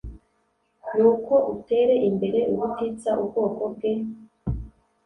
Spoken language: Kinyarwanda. nuko utere imbere ubutitsa ubwoko bwe